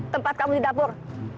tempat kamu di dapur